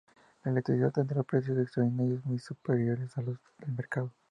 La electricidad tendrá precios extraordinarios, muy superiores a los de mercado.